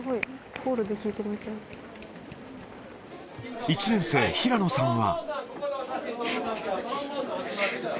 ホールで１年生、平野さんは。